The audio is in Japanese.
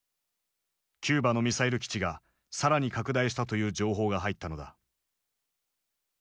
キューバのミサイル基地が更に拡大したという情報が入ったのだ。